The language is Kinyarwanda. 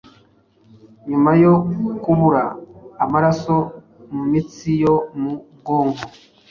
nyuma yo kubura amaraso mu mitsi yo mu bwonko